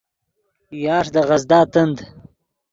یارݰ دے غزدا تند